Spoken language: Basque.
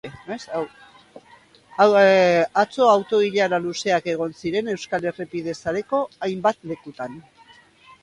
Atzo auto-ilara luzeak egon ziren euskal errepide sareko hainbat lekutan.